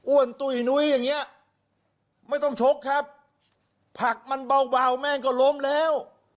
ตุ้ยนุ้ยอย่างเงี้ยไม่ต้องชกครับผักมันเบาแม่งก็ล้มแล้ว